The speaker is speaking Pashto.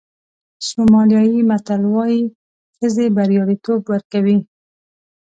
سومالیایي متل وایي ښځې بریالیتوب ورکوي.